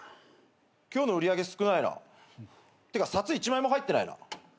今日の売り上げ少ないな。ってか札一枚も入ってないな。